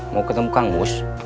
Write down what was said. mau ketemu kang bus